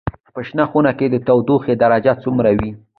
په شنه خونه کې د تودوخې درجه څومره وي؟